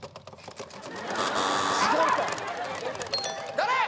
誰？